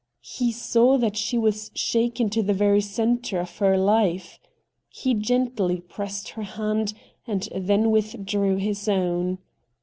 He saw that she was shaken to the very centre of her life. He gently pressed her hand and then withdrew his own.